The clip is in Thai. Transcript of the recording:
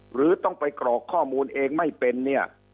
หรือต้องไปกรอกข้อมูลเองไม่เป็นเนี่ย